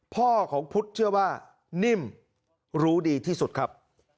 พ่อของพุทธเชื่อว่านิ่มรู้ดีที่สุดครับ